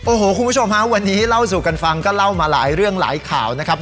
โอ้โหคุณผู้ชมฮะวันนี้เล่าสู่กันฟังก็เล่ามาหลายเรื่องหลายข่าวนะครับ